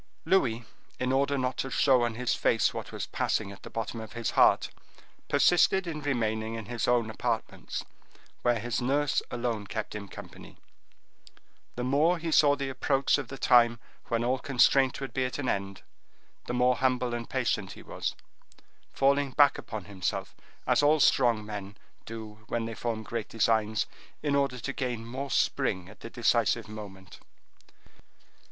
Louis, in order not to show on his face what was passing at the bottom of his heart, persisted in remaining in his own apartments, where his nurse alone kept him company; the more he saw the approach of the time when all constraint would be at an end, the more humble and patient he was, falling back upon himself, as all strong men do when they form great designs, in order to gain more spring at the decisive moment.